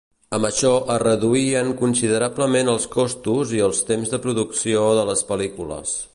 Amb això es reduïen considerablement els costos i el temps de producció de les pel·lícules.